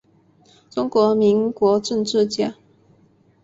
中华民国政治家。